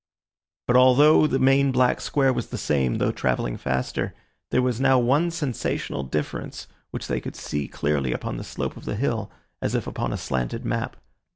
But although the main black square was the same, though travelling faster, there was now one sensational difference which they could see clearly upon the slope of the hill, as if upon a slanted map.